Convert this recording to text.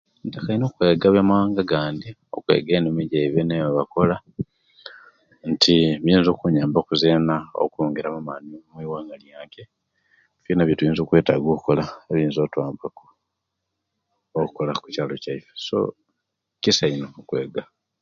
Ntaka inu okweega ebyamawanga agandi okweega enimi jaiwe nebibakola nti biyinza okunyamgbaku zeena okuyingira okungira namaani omwiwanga lyaaki, byona ebyo bitweetaaga o'kola ebyiinza okutwmbaku okola okukyaalo kyaisu so kisa inu okweega.